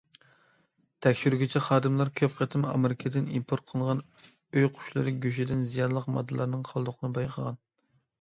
تەكشۈرگۈچى خادىملار كۆپ قېتىم ئامېرىكىدىن ئىمپورت قىلىنغان ئۆي قۇشلىرى گۆشىدىن زىيانلىق ماددىلارنىڭ قالدۇقىنى بايقىغان.